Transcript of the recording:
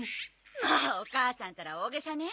もうお母さんたら大げさね。